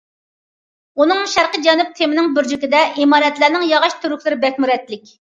ئۇنىڭ شەرقىي جەنۇب تېمىنىڭ بۇرجىكىدە ئىمارەتلەرنىڭ ياغاچ تۈۋرۈكلىرى بەكمۇ رەتلىك.